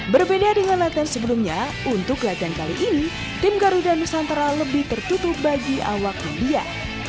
berbeda dengan latihan sebelumnya untuk latihan kali ini tim garuda nusantara lebih tertutup bagi awak media